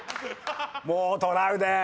もうトラウデン。